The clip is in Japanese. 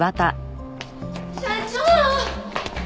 社長！